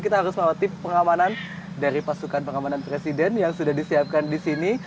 kita harus melewati pengamanan dari pasukan pengamanan presiden yang sudah disiapkan di sini